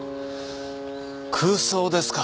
空想ですか？